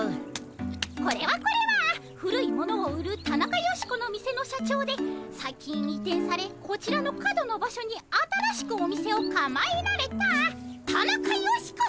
これはこれは古いものを売るタナカヨシコの店の社長で最近移転されこちらの角の場所に新しくお店をかまえられたタナカヨシコさま。